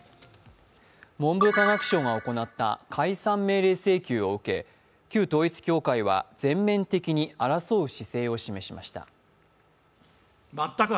文部科学省が行った解散命令請求を受け旧統一教会は全面的に争う姿勢を示しました。